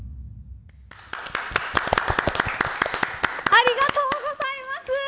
ありがとうございます。